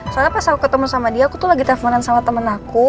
soalnya pas aku ketemu sama dia aku tuh lagi teleponan sama temen aku